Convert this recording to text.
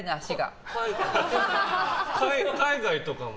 海外とかも？